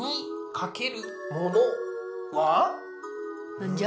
何じゃ？